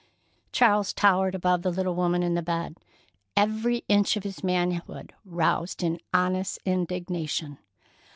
Charles towered above the little woman in the bed, every inch of his manhood roused in honest indignation.